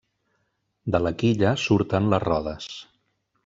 De la quilla surten les rodes.